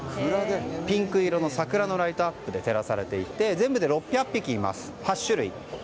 ピンク色の桜のライトアップで照らされていて全部で６００匹います、８種類。